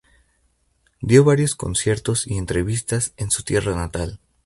Dio varios conciertos y entrevistas en su tierra natal.